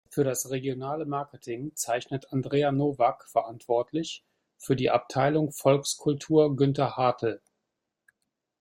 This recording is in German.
Für das regionale Marketing zeichnet Andrea Novak verantwortlich, für die Abteilung Volkskultur Günther Hartl.